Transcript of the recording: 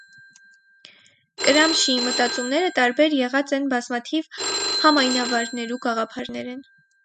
Կրամշիի մտածումները տարբեր եղած են բազմաթիւ համայնավարներու գաղափարներէն։